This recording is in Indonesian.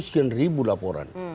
sekian ribu laporan